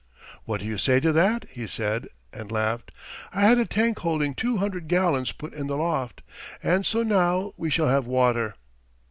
"What do you say to that?" he said, and laughed. "I had a tank holding two hundred gallons put in the loft, and so now we shall have water."